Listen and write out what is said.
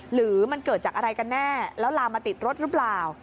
หรือมันเกิดจากอะไรกันแน่แล้วลามมาติดรถหรือเปล่า